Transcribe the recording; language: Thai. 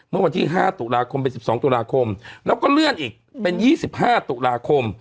เมื่อวันที่๕ตุลาคมเป็น๑๒ตุลาคมแล้วก็เลื่อนอีกเป็น๒๕ตุลาคม